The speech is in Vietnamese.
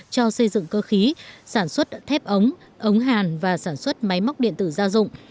cho xây dựng cơ khí sản xuất thép ống ống hàn và sản xuất máy móc điện tử gia dụng